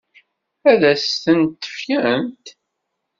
Ad s-tent-fkent?